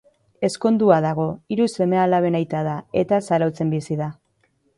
Ezkondua dago, hiru seme-alaben aita da, eta Zarautzen bizi da.